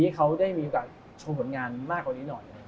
ให้เขาได้มีโอกาสชมผลงานมากกว่านี้หน่อย